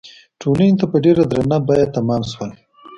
ټولنې ته په ډېره درنه بیه تمام شول.